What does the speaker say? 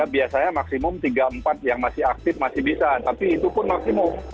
biasanya maksimum tiga empat yang masih aktif masih bisa tapi itu pun maksimum